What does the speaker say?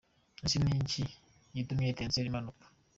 Ese ni iki gitumye Etincelles imanuka?.